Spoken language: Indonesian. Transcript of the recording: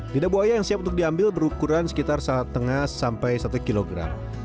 lidah buaya yang siap untuk diambil berukuran sekitar setengah sampai satu kilogram